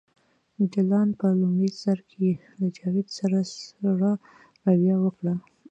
جلان په لومړي سر کې له جاوید سره سړه رویه وکړه